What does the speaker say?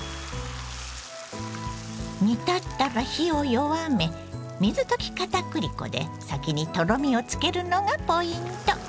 煮立ったら火を弱め水溶きかたくり粉で先にとろみをつけるのがポイント。